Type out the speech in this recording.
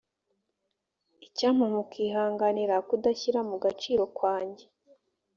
icyampa mukihanganira kudashyira mu gaciro kwanjye